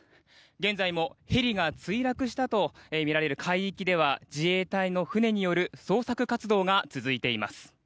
現在もヘリが墜落したとみられる海域では自衛隊の船による捜索活動が続いています。